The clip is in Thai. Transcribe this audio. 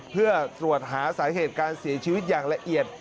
เพื่อตรวจหาสาเหตุการเสียชีวิตอย่างละเอียด